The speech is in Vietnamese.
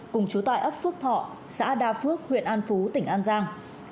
cùng chú tại ấp phước thọ xã đa phước huyện an phú tỉnh an giang